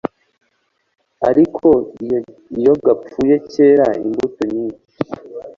Ariko iyo gapfuye kera imbuto nyinshi."